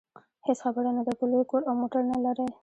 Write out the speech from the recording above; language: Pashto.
هېڅ خبره نه ده که لوی کور او موټر نلرئ.